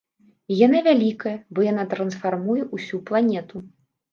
І яна вялікая, бо яна трансфармуе ўсю планету.